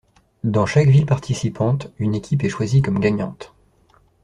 Dans chaque ville participante, une équipe est choisie comme gagnante.